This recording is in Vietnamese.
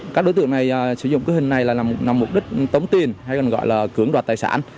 các đối tượng này sử dụng cái hình này là mục đích tống tiền hay còn gọi là cưỡng đoạt tài sản